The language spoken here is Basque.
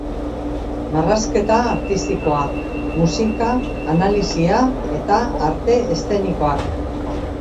Marrazketa Artistikoa, Musika Analisia eta Arte Eszenikoak.